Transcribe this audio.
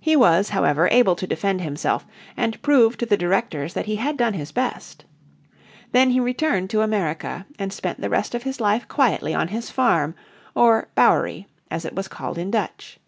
He was, however, able to defend himself, and prove to the directors that he had done his best. Then he returned to America and spent the rest of his life quietly on his farm, or "bowery" as it was called in Dutch.